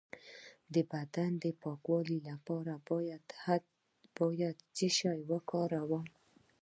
د بدن د پاکوالي لپاره باید څه شی وکاروم؟